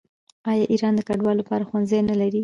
آیا ایران د کډوالو لپاره ښوونځي نلري؟